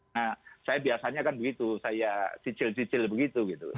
nah saya biasanya kan begitu saya cicil cicil begitu gitu